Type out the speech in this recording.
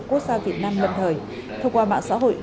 quốc gia việt nam lần thời thuộc qua mạng xã hội